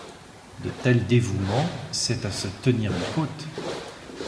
De tels dévoûments, c'est à se tenir les côtes !